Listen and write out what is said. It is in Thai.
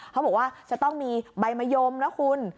เขาบอกว่าจะต้องมีใบมะยมนะคุณ